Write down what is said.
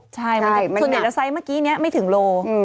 ใช่ส่วนใหญ่แล้วไซส์เมื่อกี้นี้ไม่ถึงโล